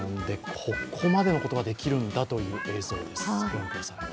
ここまでのことができるんだという映像です。